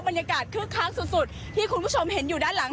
คึกคักสุดที่คุณผู้ชมเห็นอยู่ด้านหลัง